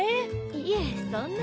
いえそんな。